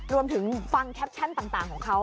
รวมถึงฟังแคปชั่นต่างของเขา